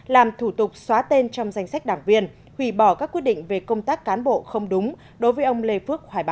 làm thủ tục xóa tên trong danh sách đảng viên hủy bỏ các quyết định về công tác cán bộ không đúng đối với ông lê phước hoài ba